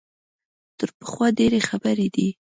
تر پخوا ډېرې خبرې دي.